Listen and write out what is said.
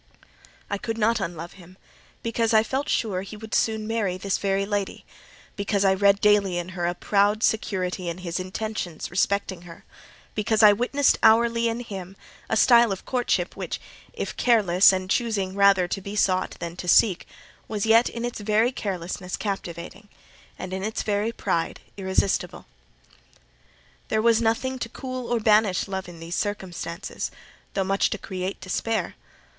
I could not unlove him, because I felt sure he would soon marry this very lady—because I read daily in her a proud security in his intentions respecting her—because I witnessed hourly in him a style of courtship which, if careless and choosing rather to be sought than to seek, was yet, in its very carelessness, captivating, and in its very pride, irresistible. There was nothing to cool or banish love in these circumstances, though much to create despair.